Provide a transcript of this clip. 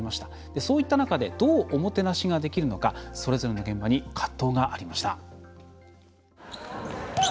そういった中でどう、おもてなしができるのかそれぞれの現場に葛藤がありました。